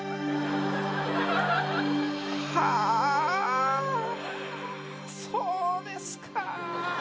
はあそうですかぁ。